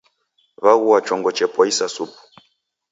Waghua chongo chepoisa supu.